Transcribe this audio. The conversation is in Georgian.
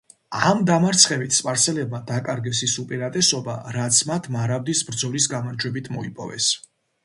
ამ დამარცხებით სპარსელებმა დაკარგეს ის უპირატესობა, რაც მათ მარაბდის ბრძოლის გამარჯვებით მოიპოვეს.